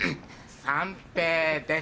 三瓶です